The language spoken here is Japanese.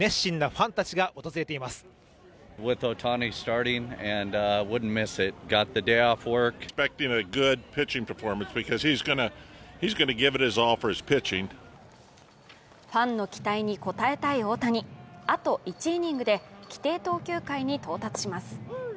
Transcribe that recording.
ファンの期待に応えたい大谷あと１イニングで規定投球回に到達します